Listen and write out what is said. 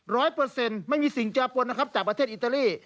เปอร์เซ็นต์ไม่มีสิ่งแปรปนนะครับจากประเทศอิตาลี